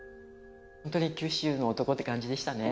本当に九州の男って感じでしたね。